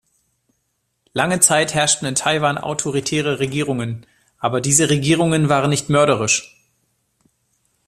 Lange Zeit herrschten in Taiwan autoritäre Regierungen, aber diese Regierungen waren nicht mörderisch.